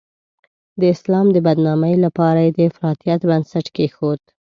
د اسلام د بدنامۍ لپاره یې د افراطیت بنسټ کېښود.